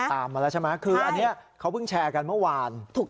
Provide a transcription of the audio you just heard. ตามมาแล้วใช่ไหมคืออันนี้เขาเพิ่งแชร์กันเมื่อวาน